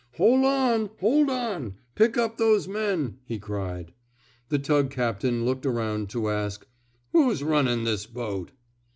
*^Hol' on! Hoi' on! Pick up those men! " he cried. The tug captain looked around to ask: Who's nmnin' this boat?